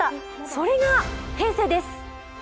それが平成です。